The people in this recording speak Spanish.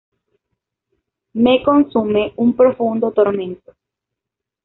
Me consume un profundo tormento.